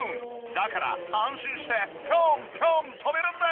だから安心してピョンピョン跳べるんです。